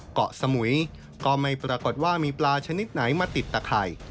เกาะสมุยก็ไม่ปรากฏว่ามีปลาชนิดไหนมาติดตะไข่